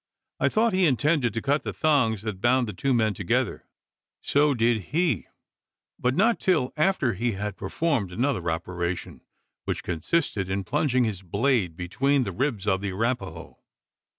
I thought he intended to cut the thongs that bound the two men together. So did he: but not till after he had performed another operation which consisted in plunging his blade between the ribs of the Arapaho!